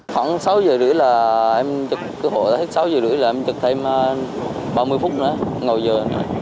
khoảng sáu h ba mươi là em chụp cứu hộ sáu h ba mươi là em chụp thêm ba mươi phút nữa ngồi giờ